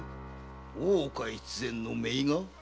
大岡越前の姪が？